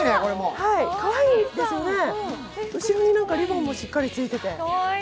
かわいいですね、後ろにリボンもしっかりついてて。